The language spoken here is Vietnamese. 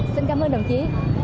xin cảm ơn đồng chí